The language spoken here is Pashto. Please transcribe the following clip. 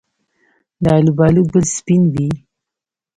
د الوبالو ګل سپین وي؟